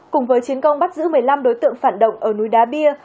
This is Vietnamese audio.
cùng với chiến công bắt giữ một mươi năm đối tượng phản động ở núi đá bia